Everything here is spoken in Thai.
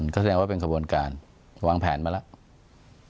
ก็แสดงว่าเป็นขบวนการวางแผนมาแล้ว